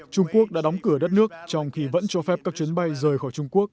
trung quốc đã đóng cửa đất nước trong khi vẫn cho phép các chuyến bay rời khỏi trung quốc